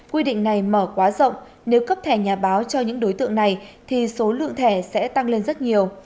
quy định này mở quá rộng nếu cấp thẻ nhà báo cho những đối tượng này thì số lượng thẻ sẽ tăng lên rất nhiều